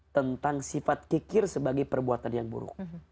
tentang sifat kikir sebagai perbuatan yang buruk